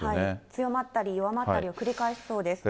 強まったり弱まったりを繰り返しそうです。